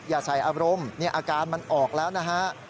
อย่าใส่อารมณ์นี่อาการมันออกแล้วนะฮะ